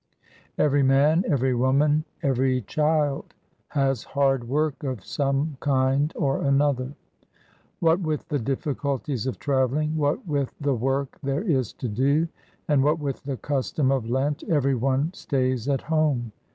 Every man, every woman, every child, has hard work of some kind or another. What with the difficulties of travelling, what with the work there is to do, and what with the custom of Lent, everyone stays at home.